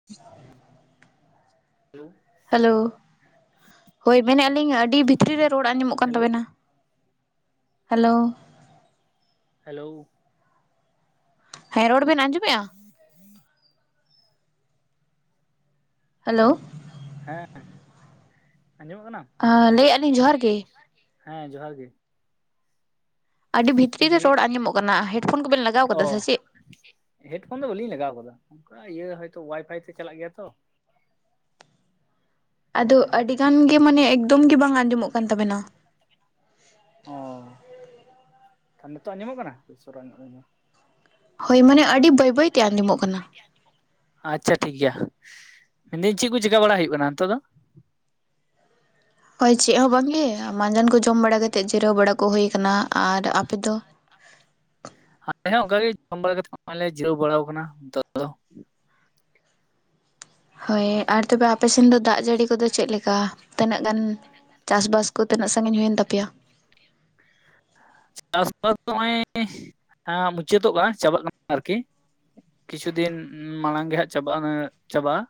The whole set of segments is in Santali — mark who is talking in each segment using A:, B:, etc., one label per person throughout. A: [unintelligible]
B: ᱦᱮᱞᱳ, ᱦᱳᱭ ᱢᱮᱱᱮᱫᱼᱟ ᱞᱤᱧ ᱟᱹᱰᱤ ᱵᱷᱤᱛᱨᱤ ᱨᱮ ᱨᱚᱲ ᱟᱸᱡᱚᱢᱚᱜ ᱠᱟᱱ
A: ᱦᱮᱞᱳ
B: ᱛᱟᱵᱮᱱᱟ। ᱦᱮᱞᱳ᱾
A: ᱦᱮᱞᱳ᱾
B: ᱦᱮᱸ ᱨᱚᱲ ᱵᱮᱱ ᱟᱸᱡᱚᱢᱮᱫᱼᱟ?
A: [inaudible]
B: ᱦᱮᱞᱳ
A: ᱦᱮᱸ ᱟᱸᱡᱚᱢᱚᱜ ᱠᱟᱱᱟ?
B: ᱞᱟᱹᱭᱮᱫᱼᱟ ᱞᱤᱧ ᱡᱚᱦᱟᱨ ᱜᱮ
A: ᱦᱮᱸ ᱡᱚᱦᱟᱨ ᱜᱮ᱾
B: ᱟᱹᱰᱤ ᱵᱷᱤᱛᱨᱤ ᱨᱮ
A: ᱫᱤᱭᱮ
B: ᱨᱚᱲ ᱟᱸᱡᱚᱢᱚᱜ ᱠᱟᱱᱟ ᱦᱮᱰᱯᱷᱳᱱ ᱠᱚᱵᱮᱱ ᱞᱟᱜᱟᱣ
A: ᱚ
B: ᱠᱟᱫᱟ ᱥᱮ ᱪᱮᱫ?
A: ᱦᱮᱰᱯᱷᱳᱱ ᱫᱚ ᱵᱟᱹᱞᱤᱧ ᱞᱟᱜᱟᱣ ᱠᱟᱫᱟ ᱚᱱᱠᱟ ᱤᱭᱟᱹ ᱦᱚᱭᱛᱳ ᱚᱣᱟᱭᱯᱷᱟᱭ ᱛᱮ ᱪᱟᱞᱟᱜ ᱜᱮᱭᱟ ᱛᱚ᱾
B: ᱟᱫᱚ ᱟᱹᱰᱤ ᱜᱟᱱ ᱜᱮ ᱢᱟᱱᱮ ᱮᱠᱫᱚᱢ ᱜᱮ ᱵᱟᱝ ᱟᱸᱡᱚᱢᱚᱜ ᱠᱟᱱ ᱛᱟᱵᱮᱱᱟ᱾
A: ᱚᱸ ᱱᱤᱛᱚᱜ ᱟᱸᱡᱚᱢᱚᱜ ᱠᱟᱱᱟ?
B: ᱦᱳᱭ ᱢᱟᱱᱮ ᱟᱹᱰᱤ ᱵᱟᱹᱭ
A: ᱦᱳᱭ
B: ᱵᱟᱹᱭ ᱛᱮ
A: ᱢᱟᱱᱮ ᱟᱹᱰᱤ
B: ᱟᱸᱡᱚᱢᱚᱜ
A: ᱵᱟᱹᱭ
B: ᱠᱟᱱᱟ
A: ᱵᱟᱹᱭᱛᱮ ᱟᱡᱚᱢᱚᱜ ᱠᱟᱱᱟ᱾ ᱟᱪᱪᱷᱟ ᱴᱷᱤᱠ ᱜᱮᱭᱟ᱾ ᱢᱮᱱᱫᱟᱹᱧ ᱪᱮᱫ ᱠᱚ ᱪᱤᱠᱟ ᱵᱟᱲᱟ ᱦᱩᱭᱩᱜ ᱠᱟᱱᱟ ᱱᱤᱛᱚᱜ ᱫᱚ?
B: ᱦᱳᱭ ᱪᱮᱫ ᱦᱚᱸ ᱵᱟᱝᱜᱮ ᱢᱟᱡᱟᱱ ᱠᱚ ᱡᱚᱢ ᱵᱟᱲᱟ ᱠᱟᱛᱮᱫ ᱡᱤᱨᱟᱹᱣ ᱵᱟᱲᱟ ᱠᱚ ᱦᱩᱭᱩᱭᱟ ᱟᱠᱟᱱᱟ᱾ ᱟᱨ ᱟᱯᱮ ᱫᱚ?
A: ᱟᱞᱮ ᱦᱚᱸ ᱚᱱᱠᱟᱜ ᱜᱮ ᱡᱚᱢ ᱵᱟᱲᱟ ᱠᱟᱛᱮ ᱱᱚᱜ-ᱚᱭ ᱞᱮ ᱡᱤᱨᱟᱹᱣ ᱵᱟᱲᱟ ᱟᱠᱟᱱᱟ ᱱᱤᱛᱚᱜ ᱫᱚ᱾
B: ᱦᱳᱭ ᱟᱨ ᱛᱚᱵᱮ ᱟᱯᱮ ᱥᱮᱱ ᱫᱚ ᱫᱟᱜ ᱡᱟᱹᱲᱤ ᱠᱚᱫᱚ ᱪᱮᱫ ᱞᱮᱠᱟ ᱛᱤᱱᱟᱹᱜ ᱜᱟᱱ? ᱪᱟᱥ ᱵᱟᱥ ᱠᱚ ᱛᱤᱱᱟᱹᱜ ᱥᱟᱺᱜᱤᱧ ᱦᱩᱭᱮᱱ ᱛᱟᱯᱮᱭᱟ?
A: [inaudible] ᱪᱟᱥᱵᱟᱥ ᱫᱚ ᱱᱚᱜᱼᱚᱭ ᱢᱩᱪᱟᱹᱫᱚᱜᱼᱟ ᱪᱟᱵᱟᱜ ᱠᱟᱱᱟ ᱟᱨᱠᱤ ᱠᱤᱪᱷᱩ ᱫᱤᱱ ᱢᱟᱲᱟᱝ ᱜᱮ ᱦᱟᱸᱜ ᱪᱟᱵᱟᱜ ᱪᱟᱵᱟᱜᱼᱟ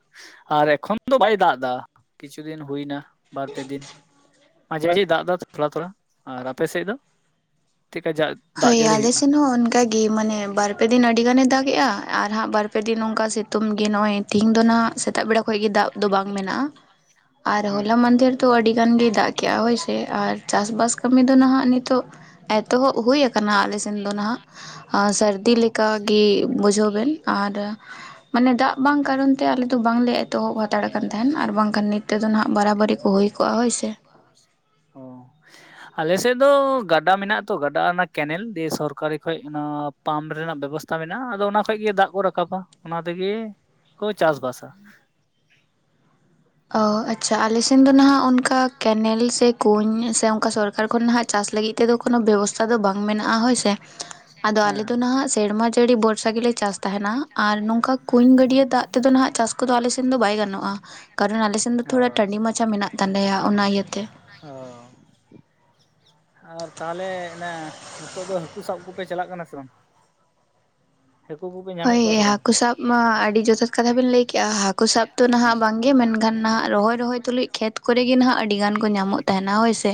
A: ᱟᱨ ᱮᱠᱷᱚᱱ ᱫᱚ ᱵᱟᱭ ᱫᱟᱜ ᱮᱫᱟ ᱠᱤᱪᱷᱩ ᱫᱤᱱ ᱦᱩᱭ ᱮᱱᱟ ᱵᱟᱨ ᱯᱮ ᱫᱤᱱ᱾ ᱢᱟᱡᱷᱮ ᱢᱟᱡᱷᱮ ᱫᱟᱜ ᱫᱟ ᱛᱷᱚᱲᱟ ᱛᱷᱚᱲᱟ ᱟᱨ ᱟᱯᱮᱥᱮᱫ ᱫᱚ ᱪᱮᱫᱠᱟ? ᱫᱟᱜ
B: ᱦᱳᱭ
A: ᱡᱟᱹᱲᱤ
B: ᱟᱞᱮ
A: ᱦᱩᱭᱩᱜᱼᱟ?
B: ᱥᱮᱱ ᱦᱚᱸ ᱚᱱᱠᱟ ᱜᱮ ᱢᱟᱱᱮ ᱵᱟᱨᱯᱮ ᱫᱤᱱ ᱟᱹᱰᱤ ᱜᱟᱱᱮ ᱫᱟᱜᱮᱜᱼᱟ ᱟᱨ ᱦᱟᱸᱜ ᱵᱟᱨ ᱯᱮ ᱫᱤᱱ ᱚᱱᱠᱟ ᱥᱤᱛᱩᱝ ᱜᱮ ᱱᱚᱜᱼᱚᱭ ᱛᱮᱦᱮᱧ ᱫᱚ ᱱᱟᱦᱟᱜ ᱥᱮᱛᱟᱜ ᱵᱮᱲᱟ ᱠᱷᱚᱱ ᱜᱮ ᱫᱟᱜ ᱫᱚ ᱵᱟᱝ ᱢᱮᱱᱟᱜᱼᱟ ᱟᱨ
A: ᱦᱮᱸ
B: ᱦᱚᱞᱟ ᱢᱟᱫᱷᱮᱨ ᱫᱚ ᱟᱹᱰᱤ ᱜᱟᱱ ᱜᱮ ᱫᱟᱜ ᱠᱮᱭᱟ ᱦᱚᱭᱥᱮ ᱟᱨ ᱪᱟᱥᱵᱟᱥ ᱠᱟᱹᱢᱤ ᱫᱚ ᱱᱟᱦᱟᱜ ᱱᱤᱛᱚᱜ ᱮᱛᱚᱦᱚᱵ ᱦᱩᱭ ᱦᱩᱭ ᱟᱠᱟᱱᱟ ᱟᱞᱮ ᱥᱮᱱ ᱫᱚ ᱱᱟᱦᱟᱜ
A: ᱚ
B: ᱥᱟᱹᱨᱫᱤ ᱞᱮᱠᱟᱜᱮ ᱵᱩᱡᱷᱟᱹᱣ ᱵᱮᱱ ᱟᱨ ᱢᱟᱱᱮ ᱫᱟᱜ ᱵᱟᱝ
A: ᱦᱮᱸ
B: ᱠᱟᱨᱚᱱ ᱛᱮ ᱟᱞᱮ ᱫᱚ ᱵᱟᱝᱞᱮ ᱮᱛᱚ ᱦᱟᱛᱟᱲ ᱟᱠᱟᱱ ᱛᱟᱦᱮᱱ ᱟᱨ ᱵᱟᱝᱠᱷᱟᱱ ᱱᱤᱛ ᱛᱮᱫᱚ ᱱᱟᱦᱟᱜ ᱵᱟᱨᱟᱵᱟᱹᱨᱤ ᱠᱚ ᱦᱩᱭ ᱠᱚᱜᱼᱟ ᱦᱳᱭ ᱥᱮ᱾
A: ᱚᱸ ᱟᱞᱮᱥᱮᱫ ᱫᱚ ᱜᱟᱰᱟ ᱢᱮᱱᱟᱜ-ᱟ ᱛᱚ ᱜᱟᱰᱟ ᱚᱱᱟ ᱠᱮᱱᱮᱞ ᱫᱤᱭᱮ ᱥᱚᱨᱠᱟᱨᱤ ᱠᱷᱚᱡ ᱚᱱᱟ ᱯᱟᱢᱯ ᱨᱮᱱᱟᱜ ᱵᱮᱵᱚᱥᱛᱷᱟ ᱢᱮᱱᱟᱜᱼᱟ, ᱟᱫᱚ ᱚᱱᱟ ᱠᱷᱚᱱ ᱜᱮ ᱫᱟᱜ ᱠᱚ ᱨᱟᱠᱟᱵᱟ᱾ ᱚᱱᱟ ᱛᱮᱜᱮ ᱠᱚ ᱪᱟᱥ ᱵᱟᱥᱟ᱾
B: ᱚᱸ ᱟᱪᱪᱷᱟ, ᱟᱞᱮᱥᱮ ᱥᱮᱱ ᱫᱚ ᱱᱟᱦᱟᱜ, ᱚᱱᱠᱟ ᱠᱮᱱᱮᱞ ᱥᱮ ᱠᱩᱧ ᱥᱮ ᱚᱱᱠᱟ ᱥᱚᱨᱠᱟᱨ ᱠᱷᱚᱱ ᱱᱟᱦᱟᱜ ᱪᱟᱥ ᱞᱟᱹᱜᱤᱫ ᱛᱮ ᱛᱮᱫᱚ ᱠᱳᱱᱳ ᱵᱮᱵᱚᱥᱛᱷᱟ ᱫᱚ ᱵᱟᱝ ᱢᱮᱱᱟᱜᱼᱟ ᱦᱳᱭ ᱥᱮ, ᱟᱫᱚ
A: ᱦᱮᱸ ᱦᱮᱸ
B: ᱟᱞᱮ ᱫᱚ ᱱᱟᱦᱟᱜ ᱥᱮᱨᱢᱟ ᱡᱟᱹᱲᱤ ᱵᱚᱨᱥᱟ ᱜᱮᱞᱮ ᱪᱟᱥᱫᱟ ᱛᱟᱦᱮᱱᱟ ᱟᱨ ᱱᱚᱝᱠᱟ ᱠᱩᱸᱧ ᱜᱟᱹᱰᱭᱟᱹ ᱫᱟᱜ ᱛᱮᱫᱚ ᱱᱟᱜ ᱪᱟᱥ ᱠᱚᱫᱚ ᱟᱞᱮ ᱥᱮᱱ ᱫᱚ ᱵᱟᱭ ᱜᱟᱱᱚᱜᱼᱟ᱾ ᱠᱟᱨᱚᱱ ᱟᱞᱮᱥᱮᱱ ᱫᱚ
A: ᱚ
B: ᱛᱷᱚᱲᱟ ᱴᱟᱺᱰᱤ ᱢᱟᱪᱷᱟ ᱢᱮᱱᱟᱜ ᱛᱟᱞᱮᱭᱟ᱾ ᱚᱱᱟ ᱤᱭᱟᱹ ᱛᱮ᱾
A: ᱚᱸᱻ᱾ ᱟᱨ ᱛᱟᱦᱞᱮ ᱮᱱᱮ ᱱᱤᱛᱚᱜ ᱫᱚ ᱦᱟᱹᱠᱩ ᱥᱟᱵᱽ ᱠᱚᱯᱮ ᱪᱟᱞᱟᱜ ᱠᱟᱱᱟ ᱥᱮ ᱵᱟᱝ? ᱦᱟᱹᱠᱩ ᱠᱚ ᱜᱮ
B: ᱦᱳᱭ, ᱦᱟᱹᱠᱩ ᱥᱟᱵᱽ ᱢᱟ ᱟᱹᱰᱤ ᱡᱚᱛᱷᱟᱛ ᱠᱟᱛᱷᱟ ᱵᱤᱱ ᱞᱟᱹᱭ ᱠᱮᱫᱼᱟ᱾ ᱦᱟᱹᱠᱩ ᱥᱟᱵᱽ ᱫᱚ
A: ᱦᱮᱸ
B: ᱱᱟᱦᱟᱜ ᱵᱟᱝ ᱜᱮ ᱜᱮ ᱢᱮᱱᱠᱷᱟᱱ ᱱᱟᱦᱟᱜ ᱨᱚᱦᱚᱭ ᱨᱚᱦᱚᱭ ᱛᱩᱞᱩᱡ ᱠᱷᱮᱛ ᱠᱚᱨᱮ ᱜᱮ ᱱᱟᱦᱟᱜ ᱟᱹᱰᱤ ᱜᱟᱱ ᱠᱚ ᱧᱟᱢᱚᱜ ᱛᱟᱦᱮᱱᱟ, ᱦᱳᱭ ᱥᱮ᱾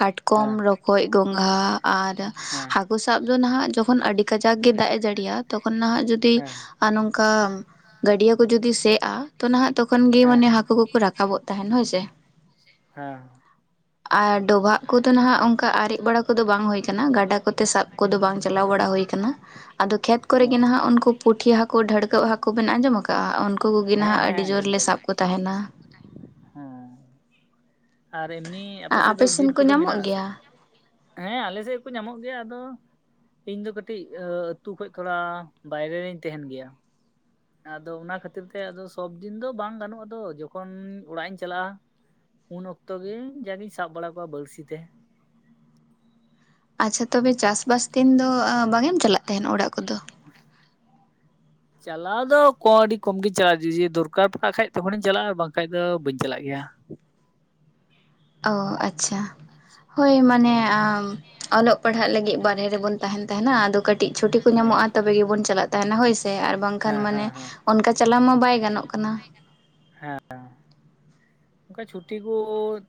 B: ᱠᱟᱴᱠᱚᱢ
A: ᱦᱮᱸ
B: ᱨᱚᱠᱚᱡ ᱜᱚᱸᱝᱜᱷᱟ ᱟᱨ
A: ᱦᱮᱸ
B: ᱦᱟᱹᱠᱩ ᱦᱟᱹᱠᱩ ᱥᱟᱵ ᱫᱚ ᱱᱟᱦᱟᱜ ᱡᱚᱠᱷᱚᱱ ᱟᱹᱰᱤ ᱠᱟᱡᱟᱠ ᱜᱮ ᱫᱟᱜ ᱮ ᱡᱟᱹᱲᱤᱭᱟ᱾ ᱛᱚᱠᱷᱚᱱ ᱱᱟᱦᱟᱜ ᱡᱩᱫᱤ
A: ᱦᱮᱸ
B: ᱟᱨ ᱱᱚᱝᱠᱟ ᱜᱟᱹᱰᱭᱟᱹ ᱠᱚ ᱡᱩᱫᱤ ᱥᱮᱜᱼᱟ, ᱛᱚ ᱱᱟᱦᱟᱜ ᱛᱚᱠᱷᱚᱱ ᱜᱮ
A: ᱦᱮᱸ
B: ᱢᱟᱱᱮ ᱦᱟᱹᱠᱩ ᱠᱚᱠᱚ ᱨᱟᱠᱟᱵᱚᱜ ᱛᱟᱦᱮᱱ ᱦᱳᱭ ᱥᱮ᱾
A: ᱦᱮᱸ᱾
B: ᱟᱨ ᱰᱚᱵᱷᱟᱜ ᱠᱚᱫᱚ ᱱᱟᱦᱟᱜ, ᱚᱱᱠᱟ ᱟᱨᱮᱡᱽ ᱵᱟᱲᱟ ᱠᱚᱫᱚ ᱵᱟᱝ ᱦᱩᱭ ᱟᱠᱟᱱᱟ᱾ ᱜᱟᱰᱟ ᱠᱚᱛᱮ ᱥᱟᱵᱽ ᱠᱚᱫᱚ ᱵᱟᱝ ᱪᱟᱞᱟᱣ ᱵᱟᱲᱟ ᱦᱩᱭ ᱟᱠᱟᱱᱟ᱾ ᱟᱫᱚ ᱠᱷᱮᱛ
A: ᱚ
B: ᱠᱚᱨᱮᱜᱮ ᱱᱟᱦᱟᱜ ᱩᱱᱠᱩ ᱯᱩᱸᱴᱷᱤ ᱦᱟᱹᱠᱩ, ᱰᱷᱟᱹᱲᱠᱟᱹ ᱦᱟᱹᱠᱩ ᱵᱤᱱ ᱟᱸᱡᱚᱢ ᱟᱠᱟᱜᱼᱟ᱾ ᱩᱱᱠᱩ ᱠᱚᱜᱮ
A: ᱦᱮᱸ
B: ᱱᱟᱦᱟᱜ
A: ᱦᱮᱸ
B: ᱟᱹᱰᱤ ᱡᱳᱨ
A: ᱟᱸᱡᱚᱢ
B: ᱞᱮ
A: ᱠᱟᱜ ᱜᱮ
B: ᱥᱟᱵ ᱠᱚ
A: ᱱᱟᱦᱟᱜ ᱟᱹᱰᱤ
B: ᱛᱟᱦᱮᱱᱟ᱾
A: ᱦᱮᱸ ᱟᱨ ᱮᱢᱱᱤ ᱟᱯᱮ ᱥᱮᱫ ᱫᱚ
B: ᱥᱮᱱ
A: ᱵᱤᱨ
B: ᱠᱚ
A: ᱠᱚᱫᱚ ᱢᱮᱱᱟᱜ
B: ᱧᱟᱢᱚᱜ
A: ᱟᱥᱮ
B: ᱜᱮᱭᱟ
A: ᱦᱮᱸ, [unintelligible] ᱟᱞᱮ ᱥᱮᱫ ᱠᱚ ᱧᱟᱢᱚᱜ ᱜᱮᱭᱟ ᱟᱫᱚ ᱤᱧ ᱫᱚ ᱠᱟᱹᱴᱤᱡ ᱟᱹᱛᱩ ᱠᱷᱚᱱ ᱛᱷᱚᱲᱟ ᱵᱟᱭᱨᱮ ᱨᱮ ᱛᱟᱦᱮᱱ ᱜᱮᱭᱟ᱾ ᱟᱫᱚ ᱚᱱᱟ ᱠᱷᱟᱹᱛᱤᱨ ᱛᱮ ᱟᱫᱚ ᱥᱚᱵ ᱫᱤᱱ ᱫᱚ ᱵᱟᱝ ᱜᱟᱱᱚᱜᱼᱟ ᱛᱚ, ᱡᱚᱠᱷᱚᱱ ᱚᱲᱟᱜ ᱤᱧ ᱪᱟᱞᱟᱜᱼᱟ ᱩᱱ ᱚᱠᱛᱚ ᱜᱮ ᱡᱟᱜᱤᱧ ᱥᱟᱵ ᱵᱟᱲᱟ ᱠᱚᱣᱟ ᱵᱟᱹᱲᱥᱤ ᱛᱮ᱾
B: ᱟᱪᱪᱷᱟ, ᱛᱚᱵᱮ ᱪᱟᱥ ᱵᱟᱥ ᱫᱤᱱ ᱫᱚ ᱵᱟᱝᱜᱮᱢ ᱪᱟᱞᱟᱜ ᱛᱟᱦᱮᱱ ᱚᱲᱟᱜ ᱠᱚᱫᱚ?
A: ᱪᱟᱞᱟᱣ ᱫᱚ ᱠᱚ ᱟᱹᱰᱤ ᱠᱚᱢ ᱜᱮ ᱪᱟᱞᱟᱜᱼᱟ᱾ ᱡᱩᱫᱤ ᱫᱚᱨᱠᱟᱨ ᱯᱟᱲᱟᱜ ᱠᱷᱟᱡ ᱛᱚᱠᱷᱚᱱᱤᱧ ᱪᱟᱞᱟᱜᱼᱟ, ᱵᱟᱝᱠᱷᱟᱱ ᱫᱚ ᱵᱟᱹᱧ ᱪᱟᱞᱟᱜ ᱜᱮᱭᱟ᱾
B: ᱚ ᱟᱪᱪᱷᱟ, ᱦᱳᱭ ᱢᱟᱱᱮ
A: ᱦᱩᱸ
B: ᱟᱢ ᱚᱞᱚᱜ ᱯᱟᱲᱦᱟᱜ ᱞᱟᱹᱜᱤᱫ ᱵᱟᱨᱦᱮ ᱨᱮᱵᱚᱱ ᱛᱟᱦᱮᱱ ᱛᱟᱦᱮᱱᱟ᱾ ᱟᱫᱚ ᱠᱟᱹᱴᱤᱡ ᱪᱷᱩᱴᱤ ᱠᱚ
A: ᱦᱮᱸ
B: ᱧᱟᱢᱚᱜᱼᱟ, ᱛᱚᱵᱮ ᱜᱮᱵᱚᱱ ᱪᱟᱞᱟᱜ ᱛᱟᱦᱮᱱ ᱛᱟᱦᱮᱱᱟ ᱦᱳᱭ ᱥᱮ ᱟᱨ ᱵᱟᱝᱠᱷᱟᱱ
A: ᱦᱮᱸ
B: ᱢᱟᱱᱮ
A: ᱦᱮᱸ ᱦᱮᱸ
B: ᱚᱱᱠᱟ ᱪᱟᱞᱟᱣ ᱢᱟ ᱵᱟᱭ ᱜᱟᱱᱚᱜ ᱠᱟᱱᱟ᱾
A: ᱦᱮᱸ᱾ ᱚᱱᱠᱟ ᱪᱷᱩᱴᱤ ᱠᱚ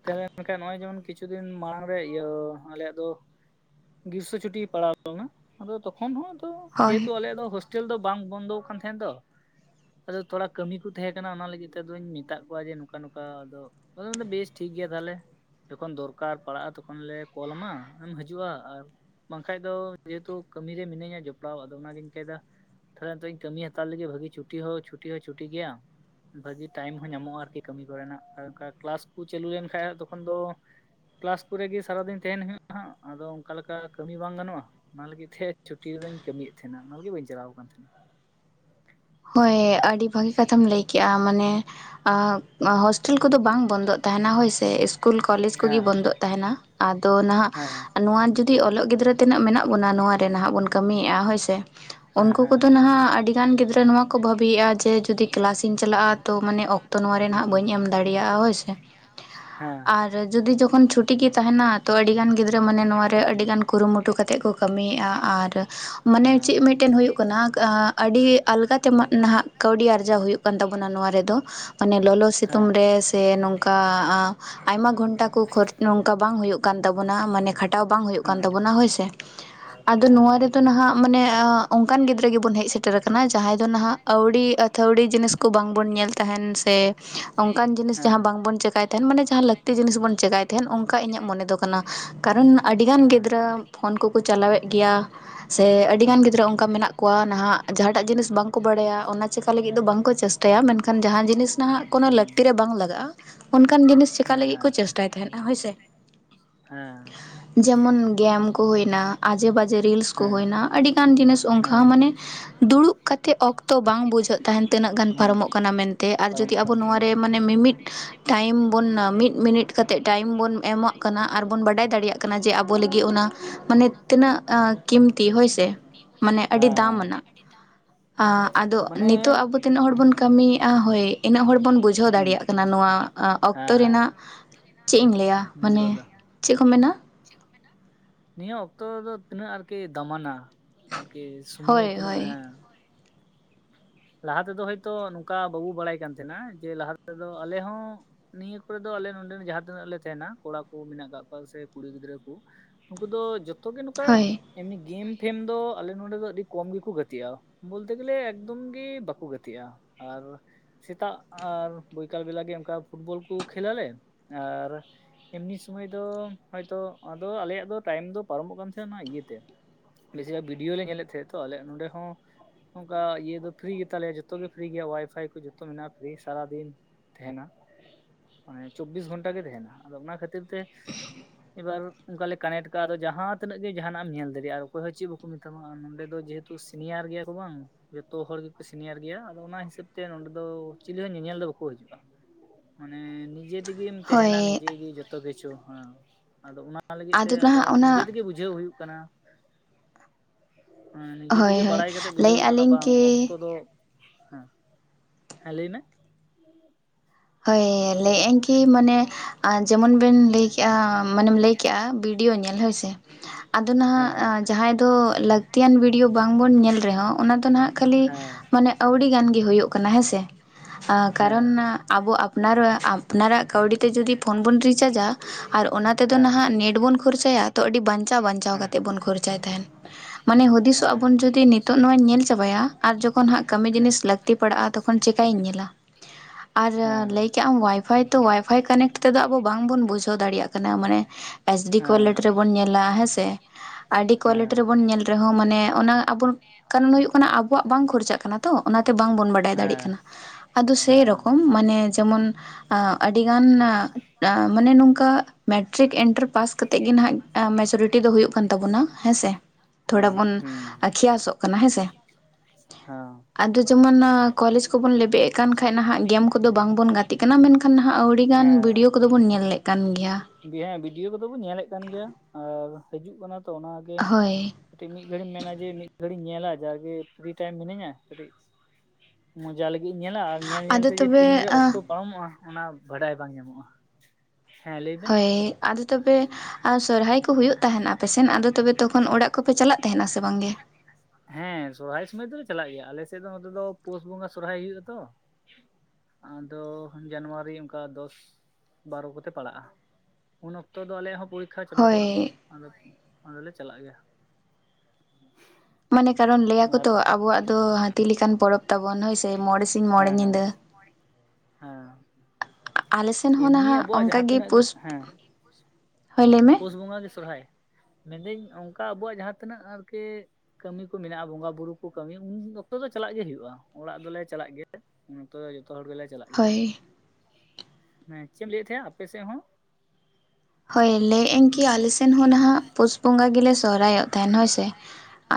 A: ᱛᱟᱦᱮᱸ ᱞᱮᱱ ᱠᱷᱟᱱ ᱱᱚᱜ-ᱚᱭ ᱡᱮᱢᱚᱱ ᱠᱤᱪᱷᱩ ᱫᱤᱱ ᱢᱟᱲᱟᱝ ᱨᱮ ᱤᱭᱟᱹ ᱟᱞᱮᱭᱟᱜ ᱫᱚ ᱜᱤᱨᱥᱚ ᱪᱷᱩᱴᱴᱤ ᱯᱟᱲᱟᱣ ᱞᱮᱱᱟ᱾ ᱟᱫᱚ ᱛᱚᱠᱷᱚᱱ ᱦᱚᱸ ᱟᱫᱚ
B: ᱦᱳᱭ
A: ᱡᱮᱦᱮᱛᱩ ᱟᱞᱮᱭᱟᱜ ᱫᱚ ᱦᱳᱥᱴᱮᱞ ᱫᱚ ᱵᱟᱝ ᱵᱚᱱᱫᱚ ᱟᱠᱟᱱ ᱛᱟᱦᱮᱸ ᱫᱚ᱾ ᱟᱫᱚ ᱛᱷᱚᱲᱟ ᱠᱟᱹᱢᱤ ᱠᱚ ᱛᱟᱦᱮᱸ ᱠᱟᱱᱟ, ᱚᱱᱟ ᱞᱟᱹᱜᱤᱫ ᱛᱮ ᱟᱫᱩᱧ ᱢᱮᱛᱟᱜ ᱠᱚᱣᱟ ᱡᱮ ᱱᱚᱝᱠᱟ ᱱᱚᱝᱠᱟ ᱟᱫᱚ ᱵᱮᱥ ᱴᱷᱤᱠ ᱜᱮᱭᱟ ᱛᱟᱦᱚᱞᱮ᱾ ᱡᱚᱠᱷᱚᱱ ᱫᱚᱨᱠᱟᱨ ᱯᱟᱲᱟᱜᱼᱟ, ᱛᱚᱠᱷᱚᱱ ᱞᱮ ᱠᱚᱞ ᱟᱢᱟ ᱟᱢ ᱦᱤᱡᱩᱜᱼᱟ ᱟᱨ ᱵᱟᱝᱠᱷᱟᱡᱽ ᱫᱚ ᱡᱮ ᱦᱮᱛᱩ ᱠᱟᱹᱢᱤ ᱨᱮ ᱢᱤᱱᱟᱹᱧᱟ, ᱡᱚᱯᱲᱟᱣ ᱟᱫᱚ ᱚᱱᱟ ᱜᱤᱧ ᱞᱟᱹᱭ ᱮᱫᱟ᱾ ᱛᱟᱦᱚᱞᱮ ᱱᱤᱛᱚᱜ ᱤᱧ ᱠᱟᱹᱢᱤ ᱦᱟᱛᱟᱲ ᱞᱮᱜᱮ, ᱵᱷᱟᱹᱜᱤ ᱪᱩᱴᱤ ᱦᱚᱸ ᱪᱩᱴᱤ ᱦᱚᱸ ᱪᱩᱴᱤ ᱜᱮᱭᱟ᱾ ᱵᱷᱟᱹᱜᱤ ᱴᱟᱭᱤᱢ ᱦᱚᱸ ᱧᱟᱢᱚᱜᱼᱟ᱾ ᱟᱨᱠᱤ ᱠᱟᱹᱢᱤ ᱠᱚᱨᱮᱱᱟᱜ ᱠᱮᱞᱟᱥ ᱠᱚ ᱪᱟᱹᱞᱩ ᱞᱮᱱᱠᱷᱟᱱ ᱛᱚᱠᱷᱚᱱ ᱫᱚ ᱠᱮᱞᱟᱥ ᱠᱚᱨᱮ ᱜᱮ ᱥᱟᱨᱟ ᱫᱤᱱ ᱛᱟᱦᱮᱱᱳᱜ ᱦᱩᱭᱩᱜᱼᱟ᱾ ᱟᱫᱚ ᱚᱱᱠᱟ ᱞᱮᱠᱟ ᱠᱟᱹᱢᱤ ᱵᱟᱝ ᱜᱟᱱᱚᱜᱼᱟ᱾ ᱚᱱᱟ ᱞᱟᱹᱜᱤᱫ ᱛᱮ ᱪᱷᱩᱴᱤ ᱨᱮ ᱫᱚ ᱠᱟᱹᱢᱤᱭᱮᱫ ᱛᱟᱦᱮᱱᱟ, ᱚᱱᱟ ᱞᱟᱹᱜᱤᱫ ᱵᱟᱹᱧ ᱪᱟᱞᱟᱣ ᱟᱠᱟᱱ ᱛᱟᱦᱮᱱᱟ᱾
B: ᱦᱳᱭ, ᱟᱹᱰᱤ ᱵᱷᱟᱹᱜᱤ ᱠᱟᱛᱷᱟᱢ ᱞᱟᱹᱭ ᱠᱮᱫᱟ᱾ ᱢᱟᱱᱮ ᱦᱚᱸᱥᱴᱮᱞ ᱠᱚᱫᱚ ᱵᱟᱝ ᱵᱚᱱᱫᱚᱜ ᱛᱟᱦᱮᱱᱟ, ᱦᱳᱭ ᱥᱮ ᱤᱥᱠᱩᱞ ᱠᱚᱞᱮᱡᱽ ᱠᱚᱜᱮ
A: ᱦᱮᱸ
B: ᱵᱚᱱᱫᱚᱜ ᱛᱟᱦᱮᱱᱟ᱾ ᱟᱫᱚ ᱱᱟᱦᱟᱜ
A: ᱦᱮᱸ
B: ᱱᱚᱣᱟ ᱡᱩᱫᱤ ᱚᱞᱚᱜ ᱜᱤᱫᱽᱨᱟᱹ ᱛᱤᱱᱟᱹᱜ ᱢᱮᱱᱟᱜ ᱵᱚᱱᱟ ᱱᱚᱣᱟ ᱨᱮ ᱱᱟᱦᱟᱜ ᱵᱚᱱ ᱠᱟᱹᱢᱤᱭᱮᱫᱼᱟ? ᱦᱳᱭ ᱥᱮ᱾ ᱩᱱᱠᱩ ᱠᱚᱫᱚ ᱱᱟᱦᱟᱜ ᱟᱹᱰᱤ ᱜᱟᱱ ᱜᱤᱫᱽᱨᱟᱹ ᱱᱚᱣᱟ ᱠᱚ ᱵᱷᱟᱵᱤᱭᱮᱫᱼᱟ ᱡᱮ ᱡᱩᱫᱤ ᱠᱮᱞᱟᱥ ᱤᱧ ᱪᱟᱞᱟᱜᱼᱟ ᱛᱚ ᱢᱟᱱᱮ ᱚᱠᱛᱚ ᱱᱚᱣᱟ ᱨᱮᱦᱟᱜ ᱵᱟᱹᱧ ᱮᱢ ᱫᱟᱲᱮᱭᱟᱜᱼᱟ ᱦᱳᱭ ᱥᱮ
A: ᱦᱮᱸ
B: ᱟᱨ ᱡᱩᱫᱤ ᱡᱚᱠᱷᱚᱱ ᱪᱷᱩᱴᱤ ᱜᱮ ᱛᱟᱦᱮᱱᱟ ᱛᱚ ᱟᱹᱰᱤᱜᱟᱱ ᱜᱤᱫᱽᱨᱟᱹ ᱢᱟᱱᱮ ᱱᱚᱣᱟ ᱨᱮ ᱟᱹᱰᱤ ᱜᱟᱱᱼᱼ ᱠᱩᱨᱩᱢᱩᱴᱩ ᱠᱟᱛᱮᱫ ᱠᱚ ᱠᱟᱹᱢᱤᱭᱮᱫᱼᱟ ᱟᱨ ᱢᱟᱱᱮ ᱪᱮᱫ ᱢᱤᱫᱴᱮᱱ ᱦᱩᱭᱩᱜ ᱠᱟᱱᱟ ᱟᱹᱰᱤᱼᱼ ᱟᱞᱜᱟ ᱛᱮᱢᱟ ᱱᱟᱦᱟᱜ ᱠᱟᱹᱣᱰᱤ ᱟᱨᱡᱟᱣ ᱦᱩᱭᱩᱜ ᱠᱟᱱ ᱛᱟᱵᱚᱱᱟ ᱱᱚᱣᱟ ᱨᱮᱫᱚ ᱢᱟᱱᱮ ᱞᱚᱞᱚ ᱥᱤᱛᱩᱝ ᱨᱮ ᱥᱮ ᱱᱚᱝᱠᱟ ᱟᱭᱢᱟ ᱜᱷᱚᱱᱴᱟ ᱠᱚ ᱠᱷᱚᱨᱪ ᱱᱚᱝᱠᱟ ᱵᱟᱝ ᱦᱩᱭᱩᱜ ᱠᱟᱱ ᱛᱟᱵᱚᱱᱟ ᱢᱟᱱᱮ ᱠᱷᱟᱡ ᱠᱟᱴᱟᱣ ᱵᱟᱝ ᱦᱩᱭᱩᱜ ᱠᱟᱱ ᱛᱟᱵᱚᱱᱟ ᱦᱳᱭ ᱥᱮ ᱟᱫᱚ
A: ᱠᱟᱱᱟ
B: ᱱᱚᱣᱟ ᱨᱮ ᱫᱚ ᱱᱟᱦᱟᱜ ᱢᱟᱱᱮ ᱚᱱᱠᱟᱱ ᱜᱤᱫᱽᱨᱟᱹ ᱜᱮᱵᱚᱱ ᱦᱮᱡ ᱥᱮᱴᱮᱨᱼᱼ ᱠᱟᱱᱟ ᱡᱟᱦᱟᱸᱭ ᱫᱚ ᱱᱟᱦᱟᱜ ᱟᱹᱣᱲᱤ ᱟᱹᱛᱷᱟᱹᱣᱲᱤ ᱡᱤᱱᱤᱥ ᱠᱚ ᱵᱟᱝ ᱵᱚᱱ ᱧᱮᱞ ᱛᱟᱦᱮᱱ ᱥᱮ ᱚᱱᱠᱟᱱ
A: ᱱᱚᱝᱠᱟ
B: ᱡᱤᱱᱤᱥ ᱡᱟᱦᱟᱸ ᱵᱟᱝ ᱵᱚᱱ ᱪᱮᱠᱟᱹᱭ ᱛᱟᱦᱮᱸᱱ ᱢᱟᱱᱮ ᱡᱟᱦᱟᱸ ᱞᱟᱹᱠᱛᱤ ᱡᱤᱱᱤᱥ ᱵᱚᱱ ᱪᱮᱠᱟᱭ ᱛᱟᱦᱮᱸᱱ ᱚᱱᱠᱟ ᱤᱧᱟᱹᱜ ᱢᱚᱱᱮ ᱫᱚ ᱠᱟᱱᱟ ᱠᱟᱨᱚᱱ ᱟᱹᱰᱤ
A: ᱡᱟᱦᱟᱸ
B: ᱜᱟᱱ ᱜᱤᱫᱽᱨᱟᱹ ᱯᱷᱳᱱ ᱠᱚᱠᱚ ᱪᱟᱞᱟᱣ ᱮᱫ ᱜᱮᱭᱟ ᱥᱮ
A: ᱵᱩᱡᱷᱟᱹᱜ ᱠᱟᱱ ᱛᱟᱦᱮᱸ
B: ᱟᱹᱰᱤ ᱜᱟᱱ ᱜᱤᱫᱽᱨᱟᱹ ᱚᱱᱠᱟ ᱢᱮᱱᱟᱜ ᱠᱚᱣᱟ ᱱᱟᱦᱟᱜ ᱡᱟᱦᱟᱸᱴᱟᱜ ᱡᱤᱱᱤᱥ ᱵᱟᱝ ᱠᱚ ᱵᱟᱲᱟᱭᱟ ᱚᱱᱟ ᱪᱮᱠᱟ ᱞᱟᱹᱜᱤᱫ ᱫᱚ ᱵᱟᱝ ᱠᱚ ᱪᱮᱥᱴᱟᱭᱟ ᱢᱮᱱ ᱠᱷᱟᱱ ᱡᱟᱦᱟᱸ ᱡᱤᱱᱤᱥ ᱱᱟᱦᱟᱜ ᱠᱚᱱᱚ ᱞᱟᱹᱠᱛᱤ ᱨᱮ ᱵᱟᱝᱼᱼ ᱞᱟᱜᱟᱜᱼᱟ ᱚᱱᱠᱟᱱ ᱡᱤᱱᱤᱥ ᱪᱮᱠᱟ ᱞᱟᱹᱜᱤᱫ ᱠᱚ ᱪᱮᱥᱴᱟᱭ ᱛᱟᱦᱮᱸᱱᱟ ᱦᱳᱭ ᱥᱮ
A: ᱦᱮᱸ
B: ᱡᱮᱢᱚᱱ ᱜᱮᱢ ᱠᱚ ᱦᱩᱭ ᱮᱱᱟ ᱟᱡᱮ ᱵᱟᱡᱮ ᱨᱤᱞᱥ ᱠᱚ ᱦᱩᱭᱮᱱᱟ ᱟᱹᱰᱤᱜᱟᱱ ᱡᱤᱱᱤᱥ ᱚᱱᱠᱟ ᱢᱟᱱᱮ ᱫᱩᱲᱩᱵ ᱠᱟᱛᱮᱫ ᱚᱠᱛᱚ ᱵᱟᱝ ᱵᱩᱡᱷᱟᱹᱜ ᱛᱟᱦᱮᱱ ᱛᱤᱱᱟᱹᱜ ᱜᱟᱱ ᱯᱟᱨᱚᱢᱚᱜ ᱠᱟᱱᱟ ᱢᱮᱱ ᱛᱮ ᱟᱨ ᱡᱩᱫᱤ ᱟᱵᱚ ᱱᱚᱣᱟ ᱨᱮ ᱢᱟᱱᱮ ᱢᱤᱢᱤᱫ ᱴᱟᱭᱤᱢ ᱵᱚᱱ ᱢᱤᱫ ᱢᱤᱱᱤᱴ ᱠᱟᱛᱮ ᱴᱟᱭᱤᱢ ᱵᱚᱱ ᱮᱢᱚᱜ ᱠᱟᱱᱟ ᱟᱨ ᱵᱚᱱ ᱵᱟᱰᱟᱭ ᱫᱟᱲᱮᱭᱟᱜ ᱠᱟᱱᱟ ᱡᱮ ᱟᱵᱚ ᱞᱟᱹᱜᱤᱫ ᱚᱱᱟ ᱢᱟᱱᱮ ᱛᱤᱱᱟᱹᱜ ᱠᱤᱢᱛᱤ ᱦᱳᱭ ᱥᱮ ᱢᱟᱱᱮ ᱟᱹᱰᱤ ᱫᱟᱢ ᱟᱱᱟᱜ
A: [unintelligible]
B: ᱟᱸ ᱟᱫᱚ
A: ᱢᱟᱱᱮ
B: ᱱᱤᱛᱚᱜ ᱟᱵᱚ ᱛᱤᱱᱟᱹᱜ ᱦᱚᱲ ᱵᱩᱱ ᱠᱟᱹᱢᱤᱭ ᱮᱫᱼᱟ ᱦᱳᱭ ᱤᱱᱟᱹᱜ ᱦᱚᱲ ᱵᱚᱱ ᱵᱩᱡᱷᱟᱹᱣ ᱫᱟᱲᱮᱭᱟᱜ ᱠᱟᱱᱟ ᱚᱱᱟ ᱱᱚᱣᱟ ᱚᱠᱛᱚ
A: ᱦᱮᱸ ᱦᱮᱸ
B: ᱨᱮᱱᱟᱜ ᱪᱮᱫ ᱤᱧ ᱞᱟᱹᱭᱟ ᱢᱟᱱᱮ ᱪᱮᱫ ᱠᱚ ᱢᱮᱱᱟ
A: ᱪᱮᱫ ᱠᱚ ᱢᱮᱱᱟ ᱱᱤᱭᱟᱹ ᱚᱠᱛᱚ ᱫᱚ ᱛᱤᱱᱟᱹᱜ ᱟᱨᱠᱤ ᱫᱟᱢᱟᱱᱟ ᱟᱨᱠᱤ ᱥᱚᱢᱚᱭ
B: ᱦᱳᱭ
A: ᱛᱤᱱᱟᱹᱜ
B: ᱦᱳᱭ
A: ᱦᱮᱸᱼᱼ ᱞᱟᱦᱟ ᱛᱮᱫᱚ ᱦᱚᱭᱛᱚ ᱱᱚᱝᱠᱟ ᱵᱟᱵᱩ ᱵᱟᱲᱟᱭ ᱠᱟᱱ ᱛᱟᱦᱮᱸᱱᱟ ᱡᱮ ᱞᱟᱦᱟ ᱛᱮᱫᱚ ᱟᱞᱮ ᱦᱚᱸᱼᱼ ᱱᱤᱭᱟᱹ ᱠᱚᱨᱮ ᱫᱚ ᱟᱞᱮ ᱱᱚᱰᱮᱱ ᱡᱟᱦᱟᱸ ᱛᱤᱱᱟᱹᱜ ᱞᱮ ᱛᱟᱦᱮᱱᱟ ᱠᱚᱲᱟ ᱠᱚ ᱢᱮᱱᱟᱜ ᱟᱠᱟᱫ ᱠᱚᱣᱟ ᱥᱮ ᱠᱩᱲᱤ ᱜᱤᱫᱽᱨᱟᱹ ᱠᱚ ᱩᱱᱠᱩ ᱫᱚ ᱡᱚᱛᱚᱼᱼ ᱛᱚᱜᱮ ᱱᱚᱝᱠᱟ
B: ᱦᱳᱭ
A: ᱮᱢᱱᱤ ᱜᱮᱢ ᱯᱷᱮᱢ ᱫᱚ ᱟᱞᱮ ᱱᱚᱰᱮ ᱫᱚ ᱟᱹᱰᱤ ᱠᱚᱢ ᱜᱮᱠᱚ ᱜᱟᱛᱮᱜᱼᱟ ᱵᱚᱞᱛᱮ ᱜᱮᱞᱮ ᱮᱠᱫᱚᱢ ᱜᱮ ᱵᱟᱠᱚ ᱜᱟᱛᱮᱜᱼᱟ ᱟᱨᱼᱼ ᱥᱮᱛᱟᱜ ᱟᱨ ᱵᱳᱭᱠᱟᱞ ᱵᱮᱞᱟ ᱜᱮ ᱚᱱᱠᱟ ᱯᱷᱩᱴᱵᱚᱞ ᱠᱚ ᱠᱷᱮᱞᱟᱞᱮ ᱟᱨᱼᱼ ᱮᱢᱱᱤ ᱥᱚᱢᱚᱭ ᱫᱚ ᱦᱚᱭᱛᱚ ᱟᱫᱚ ᱟᱞᱮᱭᱟᱜ ᱫᱚ ᱴᱟᱭᱤᱢ ᱫᱚ ᱯᱟᱨᱚᱢᱚᱜ ᱠᱟᱱ ᱛᱟᱦᱮᱸᱱᱟ ᱚᱱᱟ ᱤᱭᱟᱹ ᱛᱮ ᱵᱮᱥᱤᱨ ᱵᱷᱟᱜᱽ ᱵᱷᱤᱰᱭᱳ ᱞᱮ ᱧᱮᱞᱮᱫ ᱛᱟᱦᱮᱸᱫ ᱛᱚ ᱟᱞᱮ ᱱᱚᱸᱰᱮ ᱦᱚᱸ ᱚᱱᱠᱟ ᱤᱭᱟᱹ ᱯᱷᱤᱨᱤ ᱜᱮᱛᱟ ᱞᱮᱭᱟ ᱡᱚᱛᱚ ᱜᱮ ᱯᱷᱤᱨᱤ ᱜᱮ ᱚᱣᱟᱭᱯᱷᱟᱭ ᱠᱚ ᱡᱚᱛᱚ ᱢᱮᱱᱟᱜᱼᱟ ᱥᱟᱨᱟᱫᱤᱱ ᱛᱟᱦᱮᱸᱱᱟ ᱢᱟᱱᱮ ᱪᱚᱵᱽᱵᱤᱥ ᱜᱷᱚᱱᱴᱟ ᱜᱮ ᱛᱟᱦᱮᱱᱟ ᱟᱫᱚ ᱚᱱᱟ ᱠᱷᱟᱹᱛᱤᱨ ᱛᱮ ᱮᱵᱟᱨᱼᱼ ᱚᱱᱠᱟ ᱞᱮ ᱠᱟᱱᱮᱴ ᱠᱟᱜ ᱟᱫᱚ ᱡᱟᱦᱟᱸ ᱛᱤᱱᱟᱹᱜ ᱜᱮ ᱡᱟᱦᱟᱱᱟᱜ ᱮᱢ ᱧᱮᱞ ᱫᱟᱲᱮᱭᱟᱜᱼᱟ ᱚᱠᱚᱭ ᱦᱚᱸ ᱪᱮᱫ ᱵᱟᱠᱚ ᱢᱮᱛᱟᱢᱟ ᱱᱚᱰᱮ ᱫᱚ ᱡᱮᱦᱩᱼᱼ ᱩ ᱥᱤᱱᱤᱭᱟᱨ ᱜᱮᱭᱟ ᱠᱚ ᱵᱟᱝ ᱡᱚᱛᱚ ᱦᱚᱲ ᱜᱮᱠᱚ ᱥᱤᱱᱤᱭᱟᱨ ᱜᱮᱭᱟ ᱟᱫᱚ ᱚᱱᱟ ᱦᱤᱥᱟᱹᱵ ᱛᱮ ᱱᱚᱰᱮ ᱫᱚ ᱪᱤᱞᱤ ᱦᱚᱸ ᱧᱮᱧᱮᱞ ᱫᱚ ᱵᱟᱠᱚ ᱦᱤᱡᱩᱜᱼᱟ ᱢᱟᱱᱮ ᱱᱤᱡᱮ ᱛᱮᱜᱮᱢ ᱛᱟᱦᱮᱱᱟ
B: ᱦᱳᱭ
A: ᱱᱤᱡᱮ ᱜᱮ ᱡᱚᱛᱚ ᱠᱤᱪᱷᱩ ᱦᱮᱸ ᱟᱫᱚ ᱚᱱᱟ ᱚᱱᱟ ᱞᱟᱹᱜᱤᱫ ᱛᱮ ᱟᱫᱚ
B: ᱱᱟᱦᱟᱜ
A: ᱱᱤᱡᱮ
B: ᱚᱱᱟ
A: ᱛᱮᱜᱮ ᱵᱩᱡᱷᱟᱹᱣ ᱦᱩᱭᱩᱜ ᱠᱟᱱᱟ ᱦᱮᱸ ᱱᱤᱡᱮ
B: ᱦᱳᱭ
A: ᱛᱮᱜᱮ
B: ᱦᱳᱭ
A: ᱵᱟᱲᱟᱭ ᱠᱟᱛᱮᱜ ᱵᱩᱡᱷᱟᱹᱣ ᱦᱩᱭᱩᱜ
B: ᱞᱟᱹᱭᱮᱫᱼᱟ
A: ᱠᱟᱱᱟ
B: ᱞᱤᱧ
A: ᱵᱟᱝ
B: ᱠᱤ
A: ᱚᱠᱛᱚ ᱫᱚ ᱦᱮᱸ ᱦᱮᱸ ᱞᱟᱹᱭ ᱢᱮ [inaudible]
B: ᱦᱳᱭ ᱞᱟᱹᱭ ᱟᱹᱧ ᱤ ᱢᱟᱱᱮ ᱟ ᱡᱮᱢᱚᱱ ᱵᱮᱱ ᱞᱟᱹᱭ ᱠᱮᱜᱼᱟ ᱢᱟᱱᱮᱢ ᱞᱟᱹᱭ ᱠᱮᱜᱼᱟ ᱵᱷᱤᱰᱭᱳ ᱧᱮᱞ ᱦᱳᱭ ᱥᱮ ᱟᱫᱚ ᱱᱟᱦᱟᱜ
A: ᱦᱮᱸ
B: ᱡᱟᱦᱟᱸᱭ ᱫᱚ ᱞᱟᱹᱠᱛᱤᱭᱟᱱ ᱵᱷᱤᱰᱭᱳ ᱵᱟᱝ ᱵᱚᱱ ᱧᱮᱞ ᱨᱮᱦᱚᱸ ᱚᱱᱟ ᱫᱚ ᱱᱟᱜ ᱠᱷᱟᱹᱞᱤᱼᱼ
A: ᱦᱮᱸ ᱦᱮᱸ
B: ᱢᱟᱱᱮ ᱟᱹᱣᱰᱤ ᱜᱟᱱ ᱜᱮ ᱦᱩᱭᱩᱜ ᱠᱟᱱᱟ ᱦᱮᱸ ᱥᱮ ᱟᱸ ᱠᱟᱨᱚᱱᱼᱼ
A: ᱦᱮᱸ ᱦᱮᱸ ᱦᱮᱸ ᱦᱮᱸ ᱦᱮᱸ ᱦᱮᱸ
B: ᱟᱵᱚ ᱟᱯᱱᱟᱨ ᱟᱯᱱᱟᱨᱟᱜ ᱠᱟᱹᱣᱰᱤ ᱛᱮ ᱡᱩᱫᱤ ᱯᱷᱳᱱ ᱵᱚᱱ ᱨᱤᱪᱟᱨᱡᱟ ᱟᱨ ᱚᱱᱟ ᱛᱮᱫᱚ ᱱᱟᱦᱟᱜ ᱱᱮᱴ ᱵᱚᱱ ᱠᱷᱚᱨᱪᱟᱭᱟ ᱛᱚ ᱟᱹᱰᱤ ᱵᱟᱧᱪᱟᱣ
A: ᱦᱮᱸ ᱦᱮᱸ ᱦᱮᱸ
B: ᱵᱟᱧᱪᱟᱣ
A: ᱦᱮᱸ
B: ᱠᱟᱛᱮᱜ ᱵᱚᱱ ᱠᱷᱚᱨᱪᱟᱭ ᱛᱟᱦᱮᱱ᱾ ᱢᱟᱱᱮ ᱦᱩᱫᱤᱥᱚᱜ ᱟ ᱵᱚᱱ ᱡᱩᱫᱤ ᱱᱤᱛᱚᱜ ᱱᱚᱣᱟᱧ ᱧᱮᱞ ᱪᱟᱵᱟᱭᱟ ᱟᱨ ᱡᱚᱠᱷᱚᱱ ᱦᱟᱸᱜ ᱠᱟᱹᱢᱤ ᱡᱤᱱᱤᱥ ᱞᱟᱹᱠᱛᱤ ᱯᱟᱲᱟᱜᱼᱟ ᱛᱚᱠᱷᱚᱱ ᱪᱮᱤᱠᱟᱹᱧ ᱧᱮᱞᱟ?
A: [inaudible]
B: ᱟᱨ ᱞᱟᱹᱭ ᱠᱟᱜ ᱟᱢ ᱚᱣᱟᱭᱯᱷᱟᱭ ᱛᱚ ᱚᱣᱟᱭᱯᱷᱟᱭ ᱠᱟᱱᱮᱠᱴ ᱛᱮᱫᱚ ᱟᱵᱚ ᱵᱟᱝᱵᱚᱱ ᱵᱩᱡᱷᱟᱹᱣ ᱫᱟᱲᱮᱭᱟᱜ ᱠᱟᱱᱟ ᱢᱟᱱᱮ, ᱮᱪ ᱰᱤ ᱠᱳᱣᱟᱞᱤᱴᱤ ᱨᱮᱵᱚᱱ ᱧᱮᱞᱟ ᱦᱮᱸ ᱥᱮ? ᱟᱹᱰᱤ ᱠᱳᱣᱟᱞᱤᱴᱤ ᱨᱮᱵᱚᱱ ᱧᱮᱞ ᱨᱮᱦᱚᱸ ᱢᱟᱱᱮ ᱚᱱᱟ ᱟᱵᱚ ᱠᱟᱨᱚᱱ ᱦᱩᱭᱩᱜ ᱠᱟᱱᱟ ᱟᱵᱚᱣᱟᱜ ᱵᱟᱝ ᱠᱷᱚᱨᱪᱟᱜ ᱠᱟᱱᱟ᱾ ᱛᱚ ᱚᱱᱟᱛᱮ ᱵᱟᱝᱵᱚᱱ ᱵᱟᱰᱟᱭ ᱫᱟᱲᱭᱟᱜ ᱠᱟᱱᱟ ᱟᱫᱚ ᱥᱮᱨᱚᱠᱚᱢ ᱢᱟᱱᱮ ᱡᱮᱢᱚᱱ, ᱟᱸ, ᱟᱹᱰᱤ ᱜᱟᱱ ᱢᱟᱱᱮ ᱱᱚᱝᱠᱟ ᱢᱮᱴᱨᱤᱠ ᱮᱱᱴᱟᱨ ᱯᱟᱥ ᱠᱟ ᱠᱟᱛᱮᱫ ᱜᱮ ᱱᱟᱦᱟᱜ, ᱢᱮᱡᱚᱨᱤᱴᱤ ᱫᱚ ᱦᱩᱭᱩᱜ ᱠᱟᱱ ᱛᱟᱵᱳᱱᱟ ᱦᱮᱸᱥᱮ ᱛᱷᱚᱲᱟ ᱵᱚᱱ
A: ᱦᱩᱸ
B: ᱠᱷᱮᱭᱟᱥᱚᱜ ᱠᱟᱱᱟ ᱦᱮᱸᱥᱮ?
A: ᱦᱮᱸ,
B: ᱟᱫᱚ ᱡᱮᱢᱚᱱ ᱠᱚᱞᱮᱡᱽ ᱠᱚᱵᱚᱱ ᱞᱮᱵᱮᱫ ᱮ ᱠᱟᱱ ᱠᱷᱟᱡ ᱱᱟᱦᱟᱜ, ᱜᱮᱢ ᱠᱚᱫᱚ ᱵᱟᱝ ᱵᱚᱱ ᱜᱟᱛᱮᱜ ᱠᱟᱱᱟ ᱢᱮᱱᱠᱷᱟᱱ ᱱᱟᱦᱟᱜ
A: ᱦᱮᱸ
B: ᱟᱹᱣᱲᱤᱜᱟᱱ
A: ᱦᱮᱸ
B: ᱵᱷᱤᱰᱭᱳ ᱠᱚᱫᱚ ᱵᱚᱱ ᱧᱮᱞ ᱞᱮᱫ ᱠᱟᱱ ᱜᱮᱭᱟ᱾
A: ᱦᱮᱸ ᱵᱷᱤᱰᱭᱳ ᱠᱚᱫᱚ ᱵᱚᱱ ᱧᱮᱞᱮᱫ ᱠᱟᱱ ᱜᱮᱭᱟ ᱟᱨ ᱦᱤᱡᱩᱜ ᱠᱟᱱᱟ ᱛᱚ ᱚᱱᱟᱜᱮ᱾
B: ᱦᱳᱭ
A: ᱠᱟᱹᱴᱤᱡ ᱢᱤᱫ ᱜᱷᱟᱲᱤᱢ ᱢᱮᱱᱟ ᱡᱮ ᱢᱤᱫ ᱜᱷᱟᱲᱤᱧ ᱧᱮᱞᱟ ᱡᱟᱜᱮ ᱯᱷᱨᱤ ᱴᱟᱭᱤᱢ ᱢᱤᱱᱟᱹᱧᱟ ᱠᱟᱹᱴᱤᱡ, ᱢᱚᱡᱟ ᱞᱟᱹᱜᱤᱫ ᱤᱧ ᱧᱮᱞᱟ ᱟᱨ ᱧᱮᱞ
B: ᱟᱫᱚ
A: ᱧᱮᱞᱛᱮ ᱡᱮ
B: ᱛᱚᱵᱮ
A: ᱛᱤᱱᱨᱮ ᱚᱠᱛᱚ ᱯᱟᱨᱚᱢᱚᱜᱼᱟ ᱚᱱᱟ ᱵᱟᱰᱟᱭ ᱵᱟᱝ ᱧᱟᱢᱚᱜᱼᱟ᱾ ᱦᱮᱸ ᱞᱟᱹᱭ ᱵᱮᱱ
B: ᱦᱳᱭ ᱟᱫᱚ ᱛᱚᱵᱮ ᱟᱫᱚ ᱥᱚᱨᱦᱟᱭ ᱠᱚ, ᱦᱩᱭᱩᱜ ᱛᱟᱦᱮᱱ ᱟᱯᱮᱥᱮᱱ ᱟᱫᱚ ᱛᱚᱵᱮ ᱛᱚᱠᱷᱚᱱ ᱚᱲᱟᱜ ᱠᱚᱯᱮ ᱪᱟᱞᱟᱜ ᱛᱟᱦᱮᱱᱟ ᱥᱮ ᱵᱟᱝᱜᱮ?
A: ᱦᱮᱸ ᱥᱚᱨᱦᱟᱭ ᱥᱚᱢᱚᱭ ᱫᱚᱞᱮ ᱪᱟᱞᱟᱜ ᱜᱮᱭᱟ ᱟᱞᱮ ᱥᱮᱫ ᱫᱚ ᱱᱚᱛᱮ ᱫᱚ ᱯᱩᱥ ᱵᱚᱸᱜᱟ ᱥᱚᱨᱦᱟᱭ ᱦᱩᱭᱩᱜ ᱟᱛᱚ᱾ ᱟᱫᱚ ᱡᱟᱱᱩᱣᱟᱨᱤ ᱚᱱᱠᱟ ᱫᱚᱥ ᱵᱟᱨᱚ ᱠᱚᱛᱮ ᱯᱟᱲᱟᱜᱼᱟ᱾ ᱩᱱ ᱚᱠᱛᱚ ᱫᱚ ᱟᱞᱮ ᱦᱚᱸ ᱯᱩ ᱥᱤᱠᱠᱷᱟ ᱪᱟᱵᱟ ᱠᱚᱜᱼᱟ
B: ᱦᱳᱭ
A: ᱟᱫᱚ ᱟᱫᱚᱞᱮ ᱪᱟᱞᱟᱜ ᱜᱮᱭᱟ᱾
B: ᱢᱟᱱᱮ ᱠᱟᱨᱚᱱ ᱞᱟᱹᱭᱟᱠᱚ
A: ᱟᱨ
B: ᱛᱚ ᱟᱵᱚᱣᱟᱜ ᱫᱚ ᱦᱟᱹᱛᱤ ᱞᱮᱠᱟᱱ ᱯᱚᱨᱚᱵ ᱛᱟᱵᱚᱱ ᱦᱳᱭ ᱥᱮ? ᱥᱮ ᱢᱚᱬᱮ ᱥᱤᱧ ᱢᱚᱬᱮ
A: ᱦᱮᱸ ᱦᱮᱸ
B: ᱧᱤᱫᱟᱹ᱾
A: ᱦᱮᱸ
B: ᱟᱞᱮ ᱥᱮᱱ ᱦᱚᱸ
A: ᱮᱢᱱᱤ
B: ᱱᱟᱦᱟᱜ
A: ᱟᱵᱚᱣᱟᱜ
B: ᱚᱱᱠᱟᱜ
A: ᱡᱟᱦᱟᱸ
B: ᱜᱮ
A: ᱛᱤᱱᱟᱹᱜ
B: ᱯᱳᱥ ᱦᱳᱭ ᱞᱮᱱ,
A: ᱡᱩᱢᱟᱹ ᱜᱮ ᱥᱚᱨᱦᱟᱭ ᱢᱮᱱᱫᱟᱹᱧ ᱚᱱᱠᱟ ᱟᱵᱚᱣᱟᱜ ᱡᱟᱦᱟᱸ ᱛᱤᱱᱟᱹᱜ ᱟᱨᱠᱤ᱾ ᱠᱟᱹᱢᱤ ᱠᱚ ᱢᱮᱱᱟᱜᱼᱟ ᱵᱚᱸᱜᱟ ᱵᱩᱨᱩ ᱠᱚ ᱠᱟᱹᱢᱤ ᱩᱱ ᱚᱠᱛᱚ ᱫᱚ ᱪᱟᱞᱟᱜ ᱜᱮ ᱦᱩᱭᱩᱜᱼᱟ ᱚᱲᱟᱜ ᱫᱚᱞᱮ ᱪᱟᱞᱟᱜ ᱜᱮ᱾ ᱢᱚᱛᱚ ᱫᱚ ᱡᱚᱛᱚ ᱦᱚᱲ ᱜᱮᱞᱮ ᱪᱟᱞᱟᱜᱼᱟ᱾
B: ᱦᱳᱭ᱾
A: ᱦᱮᱸ ᱪᱮᱫ ᱮᱢ ᱞᱟᱹᱭᱮᱫ ᱛᱟᱦᱮᱸᱱᱟ ᱟᱯᱮ ᱥᱮᱫ ᱦᱚᱸ?
B: ᱦᱳᱭ ᱞᱟᱹᱭ ᱟᱹᱧ ᱠᱤ ᱟᱞᱮᱥᱮᱱ ᱦᱚᱸ ᱱᱟᱦᱟᱜ ᱯᱩᱥ ᱵᱚᱸᱜᱟ ᱜᱮᱞᱮ, ᱥᱚᱦᱚᱨᱟᱭᱚᱜ ᱛᱟᱦᱮᱱ ᱦᱳᱭ ᱥᱮ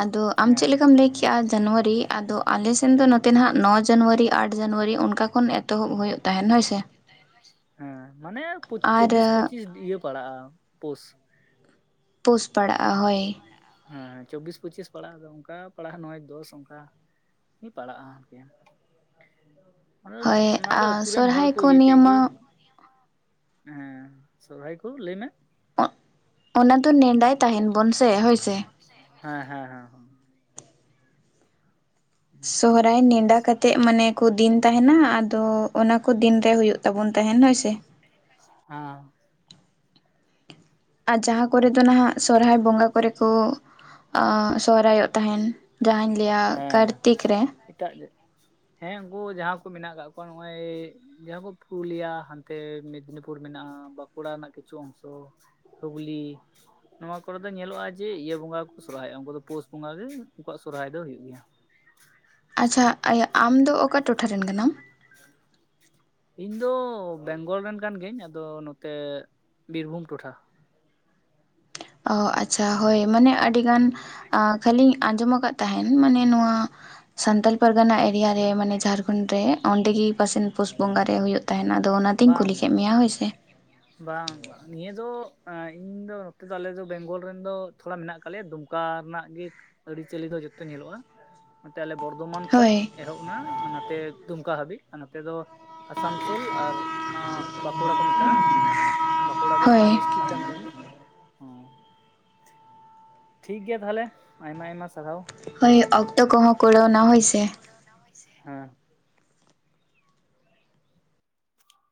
B: ᱟᱫᱚ ᱟᱢ
A: ᱦᱮᱸ
B: ᱪᱮᱫ ᱞᱮᱠᱟᱢ ᱞᱟᱹᱭᱠᱮᱫᱼᱟ ᱡᱟᱱᱩᱣᱟᱨᱤ ᱟᱫᱚ, ᱟᱞᱮᱥᱮᱱ ᱫᱚ ᱱᱚᱛᱮ ᱱᱟᱦᱟᱸᱜ ᱱᱚᱭ ᱡᱟᱱᱩᱣᱟᱨᱤ ᱟᱴ ᱡᱟᱱᱩᱣᱟᱨᱤ ᱚᱱᱠᱟ ᱠᱷᱚᱱ ᱮᱛᱚᱦᱚᱵ ᱦᱩᱭᱩᱜ ᱛᱟᱦᱮᱱ ᱦᱳᱭ ᱥᱮ?
A: ᱦᱮᱸ ᱢᱟᱱᱮ
B: ᱟᱨ
A: ᱪᱚᱵᱵᱤᱥ ᱯᱚᱸᱪᱤᱥ ᱤᱭᱟᱹ ᱯᱟᱲᱟᱜᱼᱟ ᱯᱳᱥ᱾
B: ᱯᱳᱥ ᱯᱟᱲᱟᱜᱼᱟ ᱦᱳᱭ᱾
A: ᱦᱮᱸ ᱪᱚᱵᱽᱵᱤᱥ ᱯᱚᱸᱪᱤᱥ ᱯᱟᱲᱟᱜ-ᱟ ᱚᱱᱠᱟ ᱯᱟᱲᱟᱜᱼᱟ ᱱᱚᱭ ᱫᱚᱥ ᱚᱱᱠᱟ᱾ [unintelligible] ᱯᱟᱲᱟᱜᱼᱟ ᱟᱨᱠᱤ᱾ ᱟᱫᱚ
B: ᱦᱳᱭ
A: ᱚᱱᱟ ᱫᱚ
B: ᱟᱨ
A: ᱟᱛᱩᱨ ᱨᱮᱱ ᱦᱚᱲ
B: ᱥᱚᱨᱦᱟᱭ
A: ᱠᱚ ᱤᱭᱟᱹ ᱠᱮᱫ
B: ᱱᱤᱭᱟᱹ
A: ᱜᱮ,
B: ᱢᱟ
A: ᱦᱮᱸ ᱥᱚᱨᱚᱦᱟᱭ ᱠᱚ ᱞᱟᱹᱭ ᱢᱮ?
B: ᱚᱱᱟ ᱫᱚ ᱱᱮᱸᱰᱟ
A: ᱚᱱᱟ ᱫᱚ ᱱᱮᱰᱟᱭ ᱛᱟᱦᱮᱱ ᱵᱚᱱ ᱥᱮ? ᱦᱮᱸ ᱦᱮᱸ᱾
B: ᱥᱚᱦᱚᱨᱟᱭ ᱱᱮᱸᱰᱟ ᱠᱟ ᱛᱮᱜ ᱢᱟᱱᱮ ᱠᱚ ᱫᱤᱱ ᱛᱟᱦᱮᱱᱟ ᱟᱫᱚ ᱚᱱᱟ ᱠᱚ ᱫᱤᱱ ᱨᱮ ᱦᱩᱭᱩᱜ ᱛᱟᱵᱚᱱ ᱛᱟᱦᱮᱱ ᱦᱳᱭ ᱥᱮ᱾
A: ᱦᱟᱸ᱾
B: ᱟᱨ ᱡᱟᱦᱟᱸ ᱠᱚᱨᱮ ᱫᱚ ᱱᱟᱦᱟᱜ ᱥᱚᱦᱚᱨᱟᱭ ᱵᱚᱸᱜᱟ ᱠᱚᱨᱮ ᱠᱚ ᱥᱚᱦᱚᱨᱟᱭᱚᱜ ᱛᱟᱦᱮᱱ᱾ ᱡᱟᱦᱟᱹᱧ ᱞᱹᱭᱟ
A: ᱦᱮᱸ
B: ᱠᱟᱨᱛᱤᱠ ᱨᱮ
A: [unintelligible] ᱦᱮᱸ ᱩᱱᱠᱩ ᱡᱟᱦᱟᱸ ᱠᱚ ᱢᱮᱱᱟᱜ ᱟᱠᱟᱫ ᱠᱚᱣᱟ ᱱᱚᱜᱼᱚᱭ ᱡᱟᱦᱟᱸ ᱠᱚ ᱯᱩᱨᱩᱞᱤᱭᱟ ᱦᱟᱱᱛᱮ ᱢᱮᱫᱽᱱᱤᱯᱩᱨ ᱢᱮᱱᱟᱜᱼᱟ ᱵᱟᱸᱠᱩᱲᱟ ᱨᱮᱱᱟᱜ ᱠᱤᱪᱷᱩ ᱚᱝᱥᱚ᱾ ᱦᱩᱜᱽᱞᱤ ᱱᱚᱣᱟ ᱠᱚᱨᱮᱫ ᱫᱚ ᱧᱮᱞᱚᱜᱼᱟ ᱡᱮ ᱤᱭᱟᱹ ᱵᱚᱸᱜᱟ ᱜᱮᱠᱚ ᱥᱚᱦᱚᱨᱟᱭᱚᱜᱼᱟ ᱩᱱᱠᱩ ᱫᱚ ᱯᱩᱥ ᱵᱚᱸᱜᱟ ᱜᱮ ᱩᱱᱠᱩᱣᱟᱜ ᱥᱚᱦᱚᱨᱟᱭ ᱫᱚ ᱦᱩᱭᱩᱜ ᱜᱮᱭᱟ᱾
B: ᱟᱪᱪᱷᱟ ᱟᱢ ᱫᱚ ᱚᱠᱟ ᱴᱚᱴᱷᱟ ᱨᱮᱱ ᱠᱟᱱᱟᱢ?
A: ᱤᱧ ᱫᱚ ᱵᱮᱝᱜᱚᱞ ᱨᱮᱱ ᱠᱟᱱ ᱜᱤᱭᱟᱹᱧ ᱟᱫᱚ ᱱᱚᱛᱮ ᱵᱤᱨᱵᱷᱩᱢ ᱴᱚᱴᱷᱟ
B: ᱚ ᱟᱪᱪᱷᱟ ᱦᱳᱭ ᱢᱟᱱᱮ ᱟᱹᱰᱤ ᱜᱟᱱ ᱠᱷᱟᱹᱞᱤᱧ ᱟᱸᱡᱚᱢᱼᱼ ᱠᱟᱜ ᱛᱟᱦᱮᱱ ᱢᱟᱱᱮ ᱱᱚᱣᱟ ᱥᱟᱱᱛᱟᱲ ᱯᱟᱨᱜᱟᱱᱟ ᱮᱨᱤᱭᱟ ᱨᱮ ᱢᱟᱱᱮ ᱡᱷᱟᱲᱠᱷᱚᱸᱰ ᱨᱮ ᱚᱸᱰᱮᱜᱤᱼᱼ ᱚᱠᱟᱥᱮᱱ ᱯᱩᱥ ᱵᱚᱸᱜᱟ ᱨᱮ ᱦᱩᱭᱩᱜ ᱛᱟᱦᱮᱱᱟ ᱟᱫᱚ ᱚᱱᱟᱛᱮᱧ ᱠᱩᱞᱤ ᱠᱮᱫ ᱢᱮᱭᱟ ᱦᱳᱭ ᱥᱮᱼᱼ
A: ᱵᱟᱝᱼᱼ ᱱᱤᱭᱟᱹ ᱫᱚ ᱤᱧ ᱫᱚ ᱱᱚᱛᱮ ᱫᱚ ᱟᱞᱮ ᱫᱚ ᱵᱮᱝᱜᱚᱞ ᱨᱮᱱ ᱫᱚ ᱛᱷᱚᱲᱟ ᱢᱮᱱᱟᱜ ᱟᱠᱟᱫ ᱞᱮᱭᱟ ᱫᱩᱢᱠᱟ ᱨᱮᱱᱟᱜ ᱜᱮᱼᱼ ᱟᱹᱨᱤᱪᱟᱹᱞᱤ ᱫᱚ ᱡᱚᱛᱚ ᱧᱮᱞᱚᱜᱼᱟ ᱱᱟᱛᱮ ᱟᱞᱮ ᱵᱚᱨᱫᱷᱚᱢᱟᱱ ᱠᱷᱚᱱ
B: ᱦᱳᱭ
A: ᱮᱦᱚᱵ ᱮᱱᱟ ᱱᱟᱛᱮᱼᱼ ᱫᱩᱢᱠᱟ ᱦᱟᱹᱵᱤᱡ ᱟᱨ ᱱᱚᱛᱮ ᱫᱚ ᱟᱥᱟᱱᱥᱳᱞ ᱟᱨ ᱵᱟᱸᱠᱩᱲᱟ ᱠᱚ ᱢᱮᱛᱟᱜᱼᱟ᱾ ᱵᱟᱸᱠᱩᱲᱟ ᱫᱚ ᱚᱱᱟ
B: ᱦᱳᱭ
A: ᱰᱤᱥᱴᱤᱠ ᱠᱟᱱ ᱛᱟᱞᱮᱭᱟ᱾ ᱴᱷᱤᱠᱜᱮᱭᱟ ᱛᱟᱦᱚᱞᱮ ᱟᱭᱢᱟ ᱟᱭᱢᱟ ᱥᱟᱨᱦᱟᱣ᱾
B: ᱦᱳᱭ ᱚᱠᱛᱚ ᱠᱚᱦᱚᱸ ᱠᱩᱲᱟᱹᱣ ᱮᱱᱟ ᱦᱳᱭ ᱥᱮᱼᱼ
A: ᱦᱳᱭ ᱥᱮ ᱦᱮᱸ